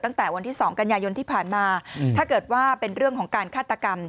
ตั้งแต่วันที่๒กันยายนที่ผ่านมาถ้าเกิดว่าเป็นเรื่องของการฆาตกรรม